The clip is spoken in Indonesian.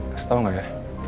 kasih tau gak ya